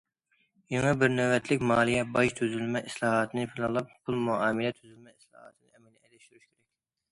يېڭى بىر نۆۋەتلىك مالىيە- باج تۈزۈلمە ئىسلاھاتىنى پىلانلاپ، پۇل مۇئامىلە تۈزۈلمە ئىسلاھاتىنى ئەمەلىيلەشتۈرۈش كېرەك.